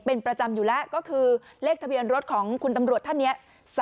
เป็นประจำอยู่แล้วก็คือเลขทะเบียนรถของคุณตำรวจท่านนี้